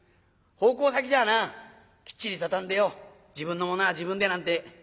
奉公先じゃあなきっちり畳んでよ自分のものは自分でなんて。